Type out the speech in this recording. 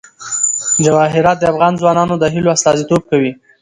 جواهرات د افغان ځوانانو د هیلو استازیتوب کوي.